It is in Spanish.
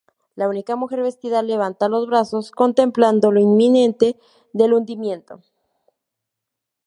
La única mujer vestida levanta los brazos, contemplando lo inminente del hundimiento.